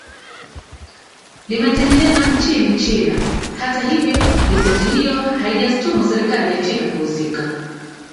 limetengenezwa nchini china hata hivyo ripoti hiyo haijastumu serikali ya china kuhusika